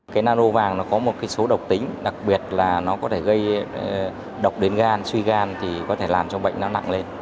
cái nao vàng nó có một cái số độc tính đặc biệt là nó có thể gây độc đến gan suy gan thì có thể làm cho bệnh nó nặng lên